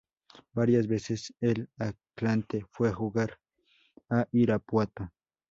Varias veces el Atlante fue a jugar a Irapuato.